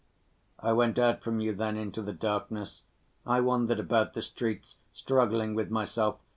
"I went out from you then into the darkness, I wandered about the streets, struggling with myself.